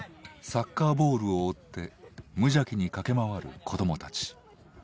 サッカーボールを追って無邪気に駆け回る子どもたち。